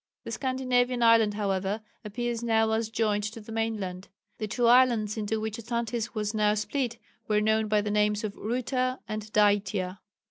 The Scandinavian island however, appears now as joined to the mainland. The two islands into which Atlantis was now split were known by the names of Ruta and Daitya.